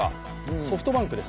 ソフトバンクです。